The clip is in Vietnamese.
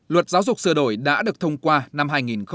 luật giáo dục sửa đổi đã được thông qua năm hai nghìn một mươi bảy